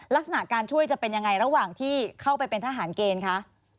ลักษณะการช่วยจะเป็นยังไงระหว่างที่เข้าไปเป็นทหารเกณฑ์คะ